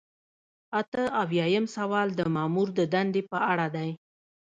اته اویایم سوال د مامور د دندې په اړه دی.